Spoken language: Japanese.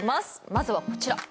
まずはこちら